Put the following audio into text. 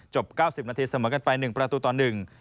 จบ๙๐นาทีเสมอกันไป๑ประตูตอน๑